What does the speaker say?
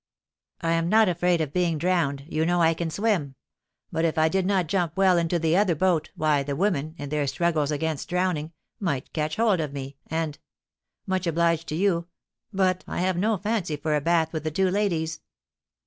"I am not afraid of being drowned, you know I can swim; but, if I did not jump well into the other boat, why, the women, in their struggles against drowning, might catch hold of me and much obliged to you, but I have no fancy for a bath with the two ladies."